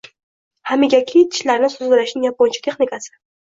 Hamigaki: tishlarni tozalashning yaponcha texnikasi